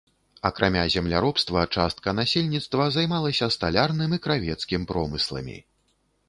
Акрамя земляробства, частка насельніцтва займалася сталярным і кравецкім промысламі.